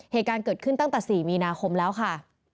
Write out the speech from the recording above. เหตุการณ์เกิดขึ้นตั้งแต่๔มีนาคมแล้วค่ะ